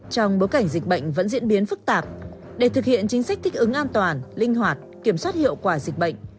trong bối cảnh dịch bệnh vẫn diễn biến phức tạp để thực hiện chính sách thích ứng an toàn linh hoạt kiểm soát hiệu quả dịch bệnh